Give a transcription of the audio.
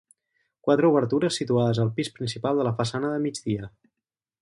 Quatre obertures situades al pis principal de la façana de migdia.